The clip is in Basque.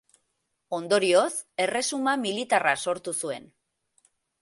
Ondorioz, erresuma militarra sortu zuen.